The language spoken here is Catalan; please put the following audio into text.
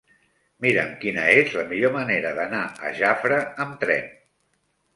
Mira'm quina és la millor manera d'anar a Jafre amb tren.